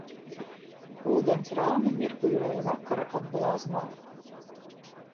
Ūdens rāmi mirguļoja vakara atblāzmā